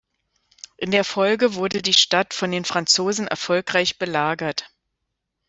In der Folge wurde die Stadt von den Franzosen erfolgreich belagert.